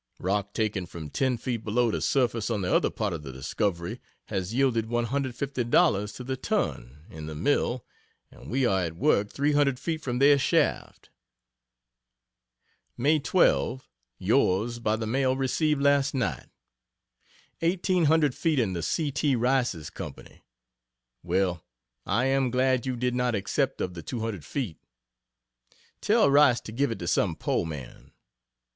Rock taken from ten feet below the surface on the other part of the discovery, has yielded $150.00 to the ton in the mill and we are at work 300 feet from their shaft. May 12 Yours by the mail received last night. "Eighteen hundred feet in the C. T. Rice's Company!" Well, I am glad you did not accept of the 200 feet. Tell Rice to give it to some poor man.